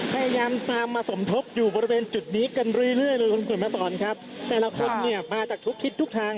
พยายามตามมาสมทบอยู่บริเวณจุดนี้กันเรื่อยเรื่อยเลยคุณเขียนมาสอนครับแต่ละคนเนี่ยมาจากทุกทิศทุกทาง